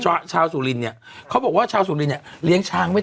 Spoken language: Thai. ชาวชาวสุรินเนี่ยเขาบอกว่าชาวสุรินเนี่ยเลี้ยงช้างไว้